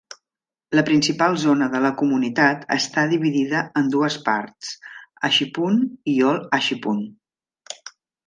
La principal zona de la comunitat està dividida en dues parts, Ashippun i Old Ashippun.